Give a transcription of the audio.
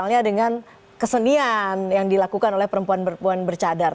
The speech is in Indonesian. misalnya dengan kesenian yang dilakukan oleh perempuan perempuan bercadar